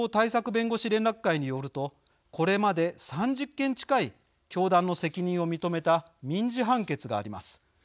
弁護士連絡会によるとこれまで３０件近い教団の責任を認めた民事判決があります。